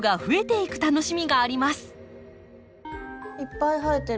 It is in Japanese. いっぱい生えてる。